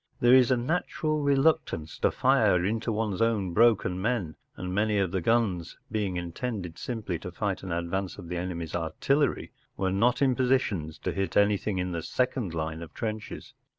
There is a natural reluctance to fire into one’s own broken men, and many of the guns, being intended simply to fight an advance of the enemy’s artillery, were not in positions to hit anything in the second line of trenches.